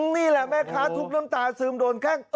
อ๋อนี่แหละแม่ค้าทุกฉันน้ำตาซึมโดนแกล้ง